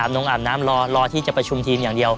ลงอาบน้ำรอที่จะประชุมทีมอย่างเดียว